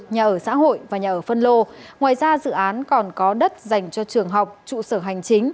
nhà ở xã hội và nhà ở phân lô ngoài ra dự án còn có đất dành cho trường học trụ sở hành chính